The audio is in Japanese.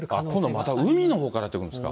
今度また海のほうからやって来るんですか。